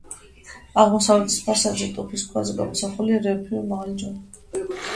აღმოსავლეთის ფასადზე, ტუფის ქვაზე, გამოსახულია რელიეფური მაღალი ჯვარი.